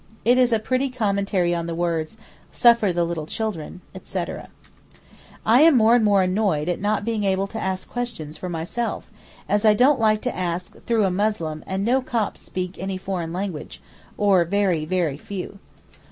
It is a pretty commentary on the words 'Suffer the little children,' etc. I am more and more annoyed at not being able to ask questions for myself, as I don't like to ask through a Muslim and no Copts speak any foreign language, or very very few.